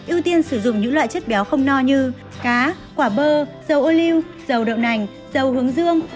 ưu tiên sử dụng những loại chất béo không no như cá quả bơ dầu ô lưu dầu đậu nành dầu hướng dương